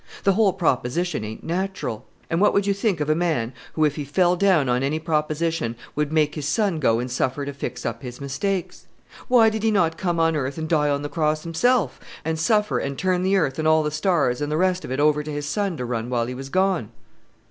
The whole proposition ain't natural. And what would you think of a man who, if he fell down on any proposition, would make his son go and suffer to fix up his mistakes? Why did He not come on earth and die on the cross Himself, and suffer, and turn the earth and all the stars and the rest of it over to His Son to run while He was gone?"